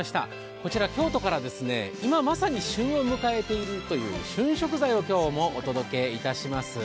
こちら京都から今まさに旬を迎えているという旬食材をお伝えしてまいります。